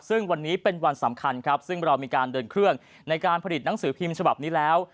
ซึ่งวันนี้เป็นวันสำคัญครับซึ่งเรามีการเดินเครื่องในการผลิตหนังสือพิมพ์ฉบับนี้แล้ว